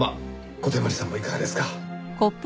小手鞠さんもいかがですか？